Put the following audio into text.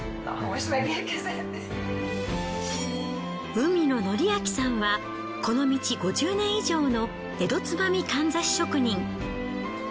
海野則明さんはこの道５０年以上の江戸つまみかんざし職人。